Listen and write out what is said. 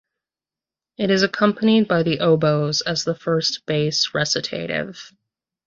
It is accompanied by the oboes as the first bass recitative.